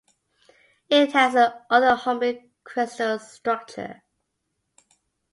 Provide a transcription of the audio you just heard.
It has an orthorhombic crystal structure.